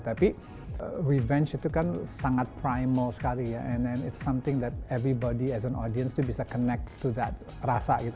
tapi revenge itu kan sangat primal sekali dan itu sesuatu yang semua orang sebagai penonton bisa koneksi dengan rasa itu